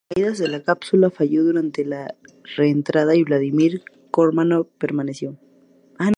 El paracaídas de la cápsula falló durante la reentrada y Vladímir Komarov pereció.